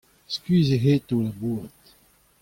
Skuizh eo aet o labourat.